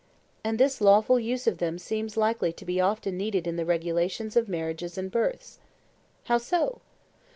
And this lawful use of them seems likely to be often needed in the regulations of marriages and births. How so?